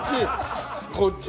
こっち